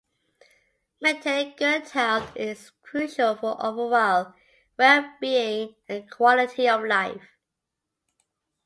Maintaining good health is crucial for overall well-being and quality of life.